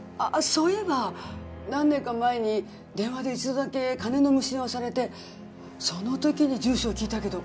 そういえば何年か前に電話で一度だけ金の無心をされてその時に住所を聞いたけどどこですか？